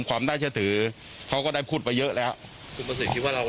ความน่าเชื่อถือเขาก็ได้พูดไปเยอะแล้วคุณประสิทธิ์คิดว่าเรา